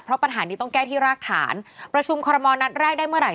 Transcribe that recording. เพราะปัญหานี้ต้องแก้ที่รากฐานประชุมคอรมอลนัดแรกได้เมื่อไห